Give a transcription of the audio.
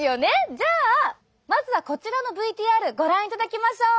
じゃあまずはこちらのＶＴＲご覧いただきましょう！